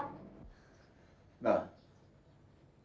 cerita masa lalu muda cipinan